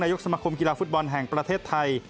ยกสมคมกีฬาฟุตบอลแห่งประเทศไทย